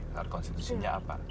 syarat konstitusinya apa